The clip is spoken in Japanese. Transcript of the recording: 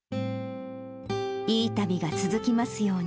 いい旅が続きますように！